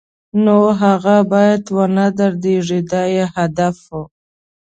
نو هغه باید و نه دردېږي دا یې هدف و.